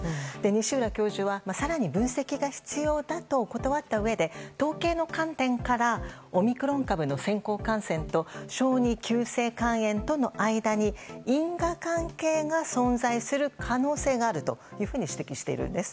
西浦教授は更に分析が必要だと断ったうえで統計の観点からオミクロン株の先行感染と小児急性肝炎との間に因果関係が存在する可能性があると指摘しているんです。